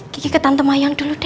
gigi ke tante mayang dulu deh